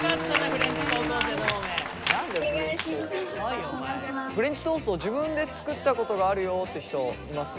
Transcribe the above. フレンチトーストを自分で作ったことがあるよって人います？